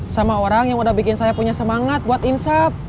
sama orang yang udah bikin saya punya semangat buat insa